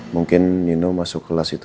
mungkin nino masuk kelas itu